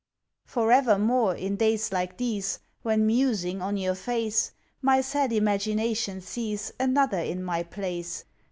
For evermore, in days like these, When musing on your face, My sad imagination sees Another in my place.